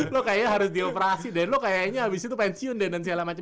lo kayaknya harus dioperasi dan lo kayaknya abis itu pensiun deh dan segala macem